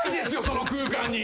その空間に。